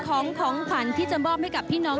ของของขวัญที่จะมอบให้กับพี่น้อง